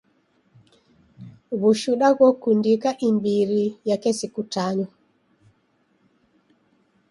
W'ushuda ghokundika imbiri ya kesi kutanywa.